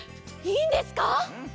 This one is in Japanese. いいんですか？